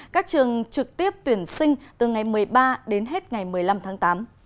các trường trực tiếp tuyển sinh từ ngày một mươi ba đến hết ngày một mươi năm tháng tám